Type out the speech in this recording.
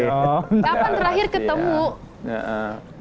kapan terakhir ketemu